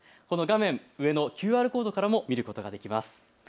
この画面上のＱＲコードからも見ることができます。